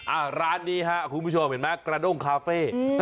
ร้านนี้ฮะคุณผู้ชมเห็นไหมกระด้งคาเฟ่